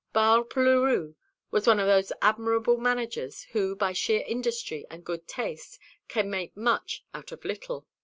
Barbe Leroux was one of those admirable managers who by sheer industry and good taste can make much out of little.